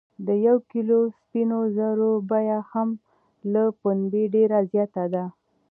د یو کیلو سپینو زرو بیه هم له پنبې ډیره زیاته ده.